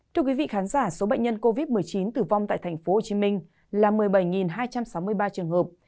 khi khán giả số bệnh nhân covid một mươi chín tử vong tại tp hcm là một mươi bảy hai trăm sáu mươi ba trường hợp